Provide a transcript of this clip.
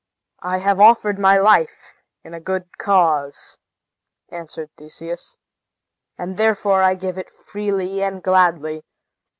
"I have offered my life in a good cause," answered Theseus, "and therefore I give it freely and gladly.